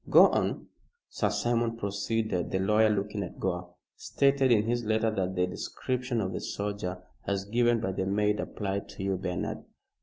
Go on." "Sir Simon," proceeded the lawyer, looking at Gore, "stated in his letter that the description of the soldier, as given by the maid, applied to you, Bernard."